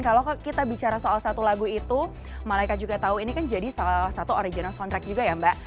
kalau kita bicara soal satu lagu itu malaika juga tahu ini kan jadi salah satu original soundtrack juga ya mbak